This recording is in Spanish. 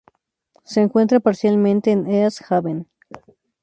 Se encuentra parcialmente en East Haven.